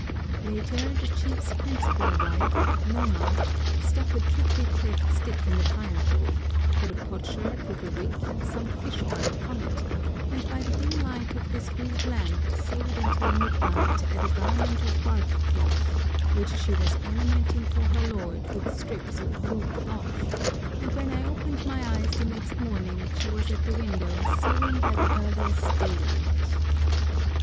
Later, the chief's principal wife, Noma, stuck a triply cleft stick in the fire hole, put a potsherd with a wick and some fish oil upon it, and by the dim light of this rude lamp sewed until midnight at a garment of bark cloth which she was ornamenting for her lord with strips of blue cloth, and when I opened my eyes the next morning she was at the window sewing by the earliest daylight.